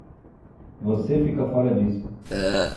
Você fica fora disso.